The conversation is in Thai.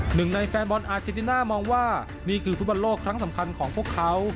หนึ่งในแฟนบอลอาเจนติน่ามองว่านี่คือฟุตบอลโลกครั้งสำคัญของพวกเขา